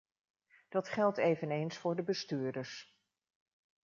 Dat geldt eveneens voor de bestuurders.